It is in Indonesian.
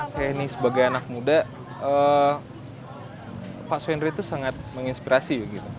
saya ini sebagai anak muda pak sunri itu sangat menginspirasi